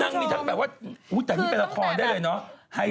มีทั้งแบบว่าแต่นี่เป็นละครได้เลยเนาะ